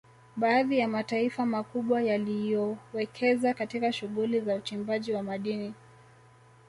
Baadhi ya mataifa makubwa yaliyowekeza katika shughuli za uchimbaji wa madini